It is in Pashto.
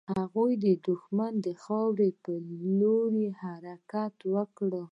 هغوی د دښمن د خاورې پر لور يې حرکت وکړ.